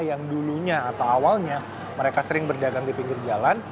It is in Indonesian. yang dulunya atau awalnya mereka sering berdagang di pinggir jalan